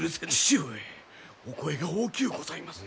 父上お声が大きゅうございます。